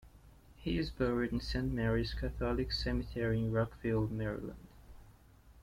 He is buried in Saint Mary's Catholic Cemetery in Rockville, Maryland.